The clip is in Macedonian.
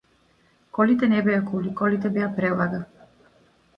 Колите не беа коли, колите беа прелага.